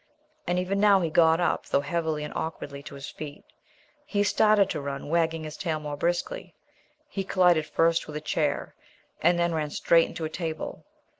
And even now he got up, though heavily and awkwardly, to his feet. He started to run, wagging his tail more briskly. He collided first with a chair, and then ran straight into a table.